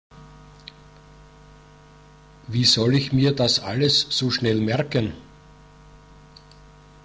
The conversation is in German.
Wie soll ich mir das alles so schnell merken?